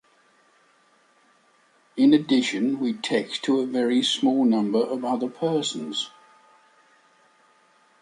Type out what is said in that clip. In addition we text to a very small number of other persons.